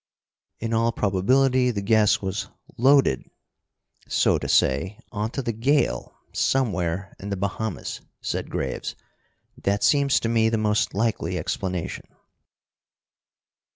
"In all probability the gas was 'loaded,' so to say, onto the gale somewhere in the Bahamas," said Graves. "That seems to me the most likely explanation."